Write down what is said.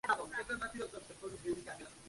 Hay dos isómeros de posición para este nombre.